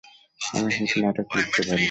আমি হিট নাটক লিখতে পারি।